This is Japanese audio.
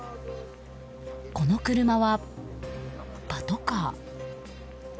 この車は、パトカー。